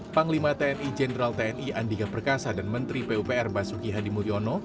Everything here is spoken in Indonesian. panglima tni jenderal tni andika perkasa dan menteri pupr basuki hadi mulyono